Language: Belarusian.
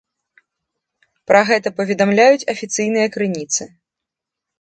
Пра гэта паведамляюць афіцыйныя крыніцы.